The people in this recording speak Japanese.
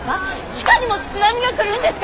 地下にも津波が来るんですか！？